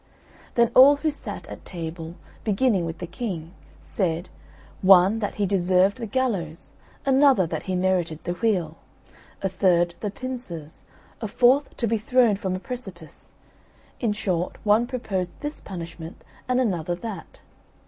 Then all who sat at table, beginning with the King, said, one that he deserved the gallows, another that he merited the wheel, a third the pincers, a fourth to be thrown from a precipice; in short one proposed this punishment and another that.